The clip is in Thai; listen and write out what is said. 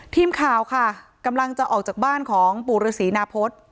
ทีมข่าวค่ะกำลังจะออกจากบ้านของปู่ฤษีนาพฤษ